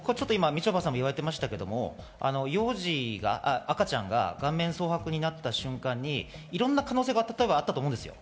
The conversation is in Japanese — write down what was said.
みちょぱさんも言われていましたが、赤ちゃんが顔面蒼白になった瞬間にいろんな可能性があったと思うんです。